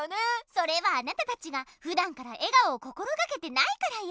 それはあなたたちがふだんから笑顔を心がけてないからよ。